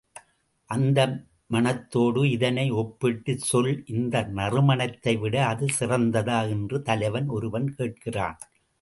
அந்த மணத்தோடு இதனை ஒப்பிட்டுச் சொல் இந்த நறுமணத்தைவிட அது சிறந்ததா? என்று தலைவன் ஒருவன் கேட்கிறான்.